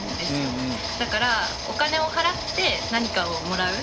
だからお金を払って何かをもらう。